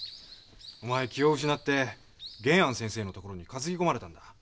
お前気を失って玄庵先生の所に担ぎ込まれたんだ。